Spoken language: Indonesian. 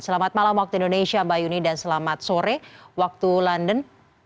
selamat malam waktu indonesia mbak yuni dan selamat sore waktu london